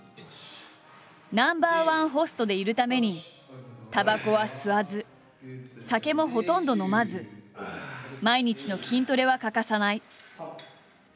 ナンバーワンホストでいるためにタバコは吸わず酒もほとんど飲まず毎日の筋トレは欠かさない。